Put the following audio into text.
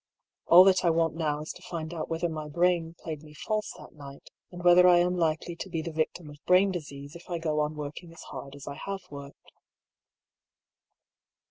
All that I want now is to find out whether my brain played me false that night, and whether I am likely to be the victim of brain disease if I go on working as hard as I have worked.